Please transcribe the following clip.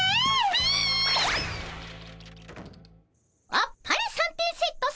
あっぱれ三点セットさま！